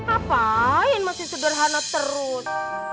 apaan masih sederhana terus